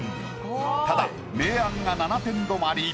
ただ明暗が７点止まり。